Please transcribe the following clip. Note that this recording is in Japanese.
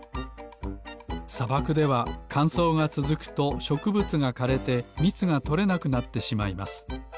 さばくではかんそうがつづくとしょくぶつがかれてみつがとれなくなってしまいます。